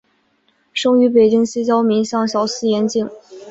生于北京西郊民巷小四眼井。